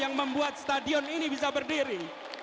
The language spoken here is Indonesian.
yang membuat stadion ini bisa berdiri